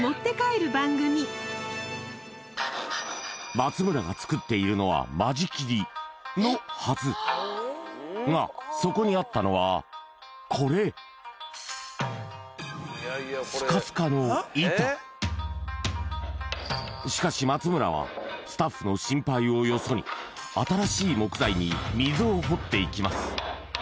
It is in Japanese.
松村が作っているのは間仕切りのはずがそこにあったのはこれしかし松村はスタッフの心配をよそに新しい木材に溝を彫っていきます